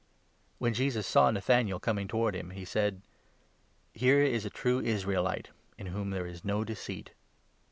When Jesus saw Nathanael coming towards him, he said :, 47 " Here is a true Israelite, in whom there is no deceit!